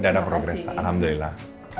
sudah ada progres alhamdulillah